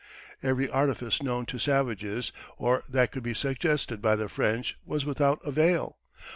Every artifice known to savages, or that could be suggested by the French, was without avail.